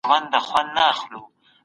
موږ باید تاریخ ته مراجعه وکړو.